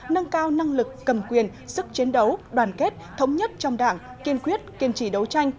nâng cao năng lực cầm quyền sức chiến đấu đoàn kết thống nhất trong đảng kiên quyết kiên trì đấu tranh